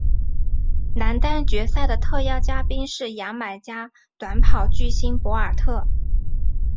男单决赛的特邀颁奖嘉宾是牙买加短跑巨星博尔特。